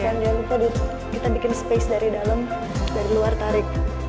jangan lupa kita bikin space dari dalam dari luar tarik